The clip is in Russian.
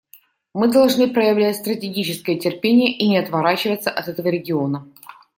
Мы должны проявлять стратегическое терпение и не отворачиваться от этого региона.